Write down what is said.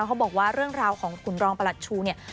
เขาบอกว่าเรื่องราวของขุนรองประหลัดชูเนี่ย